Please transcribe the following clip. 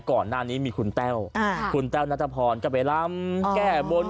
ก่อนหน้านี้มีคุณแต้วคุณแต้วนัทพรก็ไปลำแก้บน